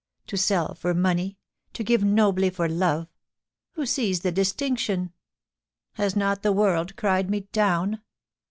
To sell for money — to give nobly for love — who sees the distinction? Has not the world cried me down